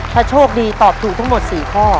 ถ้าโชคดีตอบถูกทั้งหมด๔ข้อ